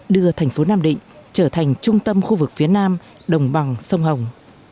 đưa thành phố nam định trở thành trung tâm khu vực phía nam đồng bằng